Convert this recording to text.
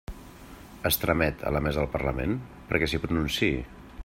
Es tramet a la Mesa del Parlament perquè s'hi pronunciï.